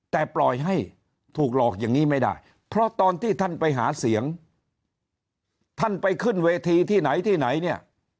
แต่ปล่อยให้ถูกหลอกอย่างนี้ไม่ได้เพราะตอนที่ท่านไปหาเสียงท่านไปขึ้นเวทีที่ไหนที่ไหนเนี่ย